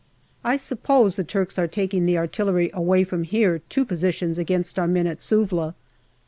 I suppose the Turks are taking the artillery away from here to positions against our men at Suvla.